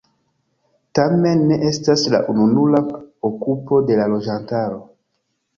Tamen ne estas la ununura okupo de la loĝantaro.